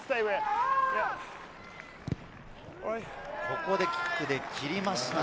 ここでキックで切りました。